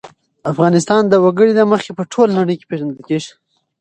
افغانستان د وګړي له مخې په ټوله نړۍ کې پېژندل کېږي.